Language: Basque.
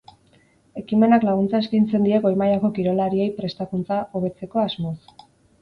Ekimenak laguntza eskaintzen die goi-mailako kirolariei prestakuntza hobetzeko asmoz.